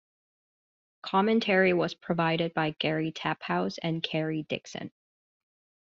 Commentary was provided by Gary Taphouse and Kerry Dixon.